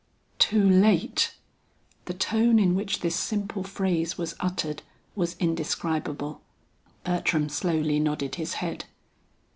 "Too late!" The tone in which this simple phrase was uttered was indescribable. Bertram slowly nodded his head.